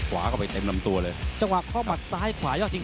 กับสงชัยมิตซูนั่งคุยปรึกษากันครับ